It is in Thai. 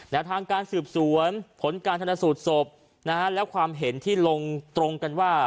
ทางการสืบสวนผลการทันสูตรศพนะฮะแล้วความเห็นที่ลงตรงกันว่า